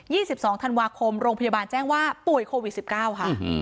สิบสองธันวาคมโรงพยาบาลแจ้งว่าป่วยโควิดสิบเก้าค่ะอืม